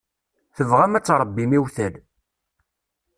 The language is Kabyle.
Tebɣam ad tṛebbim iwtal.